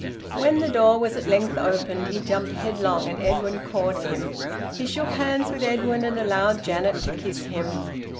When the door was at length opened, he jumped headlong, and Edwin caught him. He shook hands with Edwin and allowed Janet to kiss him.